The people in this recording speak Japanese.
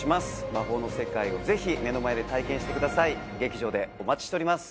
魔法の世界をぜひ目の前で体験してください劇場でお待ちしております